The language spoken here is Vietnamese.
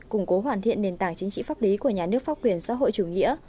củng cố hoàn thiện nền tảng chính trị pháp lý của nhà nước pháp quyền xã hội chủ nghĩa